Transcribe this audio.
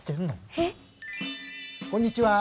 えっ？こんにちは。